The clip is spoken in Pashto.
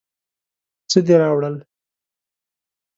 څه دې راوړل.